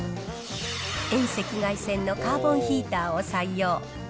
遠赤外線のカーボンヒーターを採用。